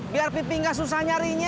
biar pipi nggak susah nyarinya